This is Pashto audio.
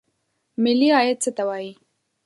ملي عاید څه ته وایي؟